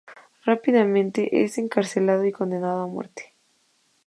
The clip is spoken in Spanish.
Rápidamente es encarcelado y condenado a muerte.